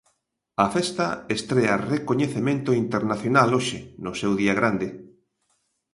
A festa estrea recoñecemento internacional hoxe, no seu día grande.